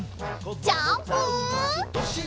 ジャンプ！